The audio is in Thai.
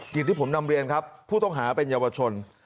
กิจที่ผมนำเรียนครับผู้ต้องหาเป็นเยาวชน